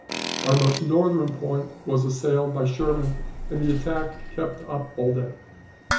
Our most northern point was assailed by Sherman, and the attack kept up all day.